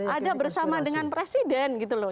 ada bersama dengan presiden gitu loh